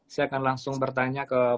saya akan langsung bertanya ke